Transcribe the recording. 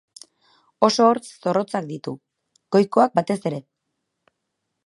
Oso hortz zorrotzak ditu, goikoak batez ere.